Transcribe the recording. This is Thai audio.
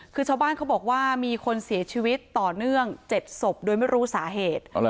คือชาวบ้านเขาบอกว่ามีคนเสียชีวิตต่อเนื่อง๗ศพโดยไม่รู้สาเหตุ